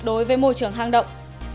đối với môi trường hàng động